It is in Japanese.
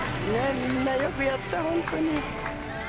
みんなよくやった、本当に。